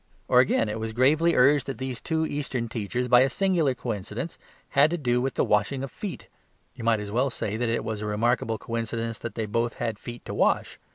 Or, again, it was gravely urged that these two Eastern teachers, by a singular coincidence, both had to do with the washing of feet. You might as well say that it was a remarkable coincidence that they both had feet to wash.